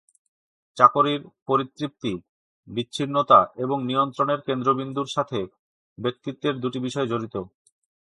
চাকরির পরিতৃপ্তি, বিচ্ছিন্নতা এবং নিয়ন্ত্রণের কেন্দ্রবিন্দুর সাথে ব্যক্তিত্বের দুটি বিষয় জড়িত।